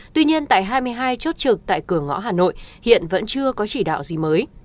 tuy nhiên tại hai mươi hai chốt trực tại cửa ngõ hà nội hiện vẫn chưa có chỉ đạo gì mới